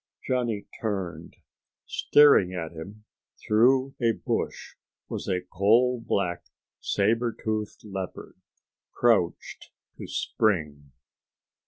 Johnny turned. Staring at him through a bush was a coal black sabre toothed leopard, crouched to spring.